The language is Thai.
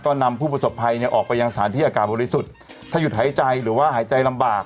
ก็นำผู้ประสบภัยเนี่ยออกไปยังสถานที่อากาศบริสุทธิ์ถ้าหยุดหายใจหรือว่าหายใจลำบาก